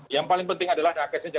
yang paling penting adalah